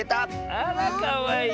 あらかわいい。